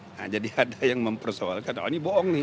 nah jadi ada yang mempersoalkan oh ini bohong nih